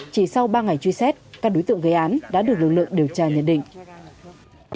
chỉ sau ba ngày truy xét các đối tượng gây án đã được lực lượng điều tra nhận định